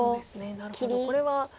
なるほどこれは。